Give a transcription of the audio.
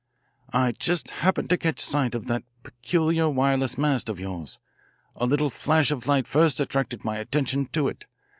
"I just happened to catch sight of that peculiar wireless mast of yours. A little flash of light first attracted my attention to it.